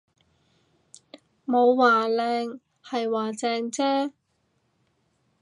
冇話靚，係話正啫